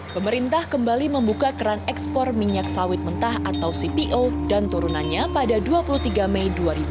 pemerintah kembali membuka keran ekspor minyak sawit mentah atau cpo dan turunannya pada dua puluh tiga mei dua ribu dua puluh